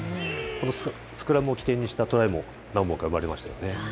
このスクラムを起点にしたトライも何本か生まれましたよね。